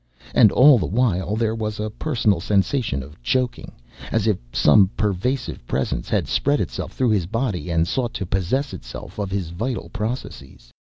And all the while there was a personal sensation of choking, as if some pervasive presence had spread itself through his body and sought to possess itself of his vital processes.